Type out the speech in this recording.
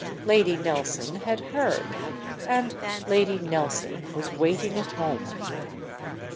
Lady Nelson had heard. And Lady Nelson was waiting at home.